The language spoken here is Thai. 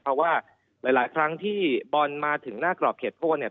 เพราะว่าหลายครั้งที่บอลมาถึงหน้ากรอบเขตโทษเนี่ย